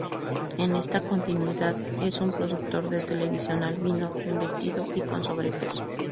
En esta continuidad es un productor de televisión albino, bien vestido y con sobrepeso.